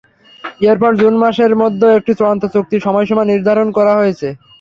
এরপর জুন মাসের মধ্যে একটি চূড়ান্ত চুক্তির সময়সীমা নির্ধারণ করা হয়েছে।